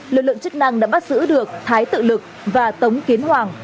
lực lượng chức năng đã bắt giữ được thái tự lực và tống kiến hoàng